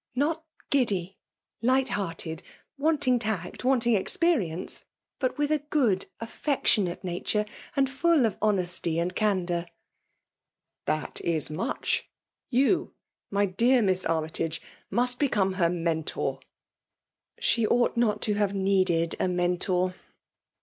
'*^' Not giddy; — ^light hearted — wanting taet> wanting experience; but with a good, affee^ tionaie nature^ and full of honesty and can door." '* Thai is nrach !— ^You, my dear Miss Army^ iage, must become her Mentor "^ She ought not to have needed a Mentor.